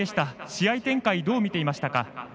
試合展開どう見ていましたか？